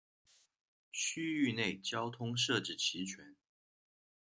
区域内交通设置齐全。